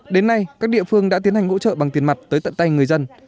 đến nay các địa phương đã tiến hành hỗ trợ bằng tiền mặt tới tận tay người dân